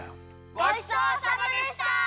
ごちそうさまでした！